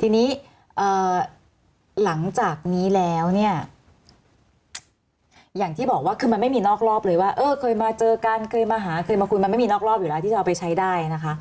ทีนี้หลังจากนี้แล้วเนี่ยอย่างที่บอกว่าคือมันไม่มีนอกรอบเลยว่าเออเคยมาเจอกันเคยมาหาเคยมาคุยมันไม่มีนอกรอบอยู่แล้วที่จะเอาไปใช้ได้นะคะ